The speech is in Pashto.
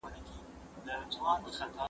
زه بايد جواب ورکړم!.